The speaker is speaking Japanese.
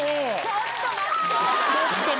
ちょっと待って。